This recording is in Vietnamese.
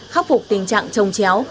khắc phục tình trạng trông chéo